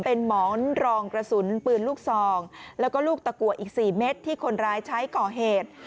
เป็นหมอนรองกระสุนปืนลูกซองแล้วก็ลูกตะกัวอีก๔เม็ดที่คนร้ายใช้ก่อเหตุ